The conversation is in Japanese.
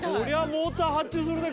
モーター発注するね